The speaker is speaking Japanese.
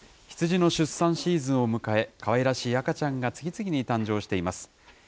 羊の出産シーズンを迎え、かわいらしい赤ちゃんが次々に誕生しています。